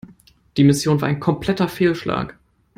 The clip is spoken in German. Die Mission war ein kompletter Fehlschlag.